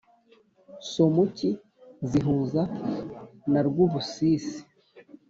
somuki zihuza na rwubusisi